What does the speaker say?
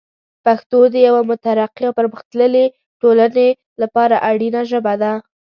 پښتو د یوه مترقي او پرمختللي ټولنې لپاره اړینه ژبه ده.